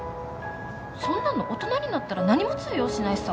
そんなの大人になったら何も通用しないさ。